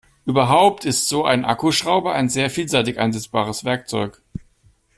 Überhaupt ist so ein Akkuschrauber ein sehr vielseitig einsetzbares Werkzeug.